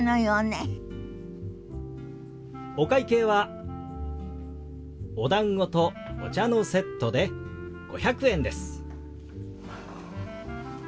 お会計はおだんごとお茶のセットで５００円です。